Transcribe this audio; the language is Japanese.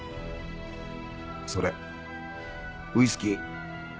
それウイスキー。